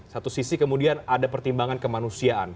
satu sisi kemudian ada pertimbangan kemanusiaan